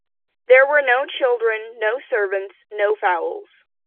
There were no children, no servants, no fowls.